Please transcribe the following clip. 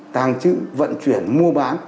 tàng trự vận chuyển mua bán